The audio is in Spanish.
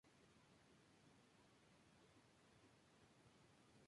En el accidente fallecen los dos ocupantes de la aeronave.